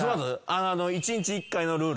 １日１回のルール？